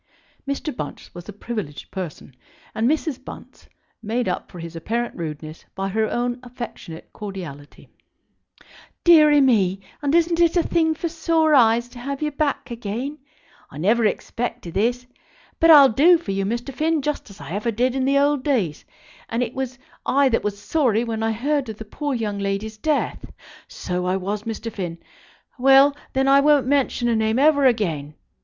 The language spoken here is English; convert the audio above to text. Mr. Bunce was a privileged person, and Mrs. Bunce made up for his apparent rudeness by her own affectionate cordiality. "Deary me, and isn't it a thing for sore eyes to have you back again! I never expected this. But I'll do for you, Mr. Finn, just as I ever did in the old days; and it was I that was sorry when I heard of the poor young lady's death; so I was, Mr. Finn; well, then, I won't mention her name never again.